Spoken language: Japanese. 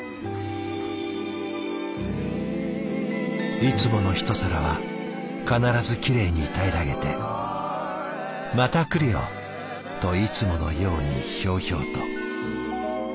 いつもの一皿は必ずきれいに平らげて「また来るよ」といつものようにひょうひょうと。